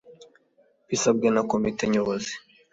bisabwe na Komite Nyobozi ;